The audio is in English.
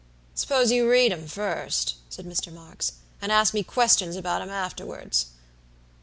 "Suppose you read 'em first," said Mr. Marks, "and ask me questions about them afterwards."